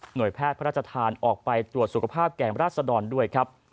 โดยแพทย์พระราชทานออกไปตรวจสุขภาพแก่ราชดรด้วยครับ